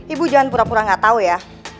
ibu jangan pura pura gak tau ya